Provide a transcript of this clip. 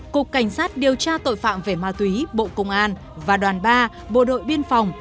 cục cảnh sát điều tra tội phạm về ma túy bộ công an và đoàn ba bộ đội biên phòng